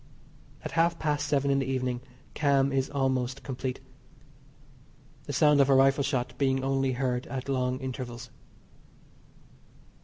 At half past seven in the evening calm is almost complete. The sound of a rifle shot being only heard at long intervals.